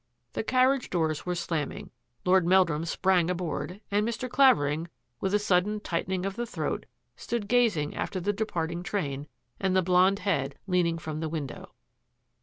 The carriage doors were slamming. Lord Mel drum sprang aboard, and Mr. Clavering, with a sudden tightening of the throat, stood gazing after the departing train and the blond head lean ing from the window.